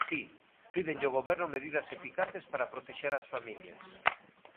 Si, pídenlle ao Goberno medidas eficaces para protexer as familias.